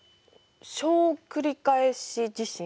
小繰り返し地震。